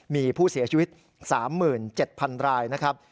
มีผู้เสียชีวิต๓๗๐๐รายนะครับ